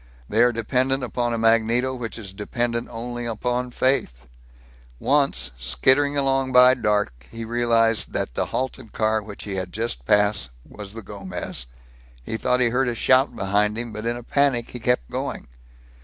They are dependent upon a magneto which is dependent only upon faith. Once, skittering along by dark, he realized that the halted car which he had just passed was the Gomez. He thought he heard a shout behind him, but in a panic he kept going.